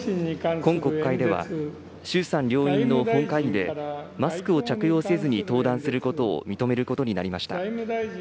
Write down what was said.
今国会から、衆参両院の本会議で、マスクを着用せずに登壇することを認めることになりました。